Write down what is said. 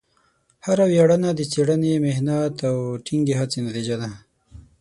هره ویاړنه د څېړنې، محنت، او ټینګې هڅې نتیجه ده.